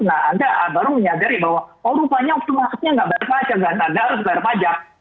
nah anda baru menyadari bahwa oh rupanya waktu masuknya tidak berpajak anda harus bayar pajak